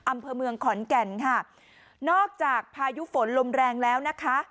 อำเภอเมืองขอนแก่นค่ะนอกจากพายุฝนลมแรงแล้วนะคะ